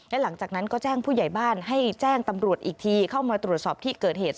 และหลังจากนั้นก็แจ้งผู้ใหญ่บ้านให้แจ้งตำรวจอีกทีเข้ามาตรวจสอบที่เกิดเหตุ